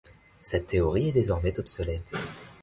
Cette théorie est désormais obsolète.